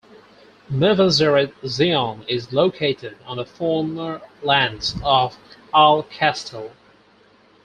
Mevaseret Zion is located on the former lands of Al-Qastal.